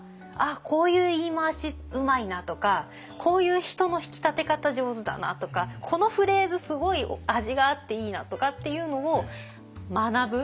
あこういう言い回しうまいな！とかこういう人の引き立て方上手だなとかこのフレーズすごい味があっていいなとかっていうのを学ぶ。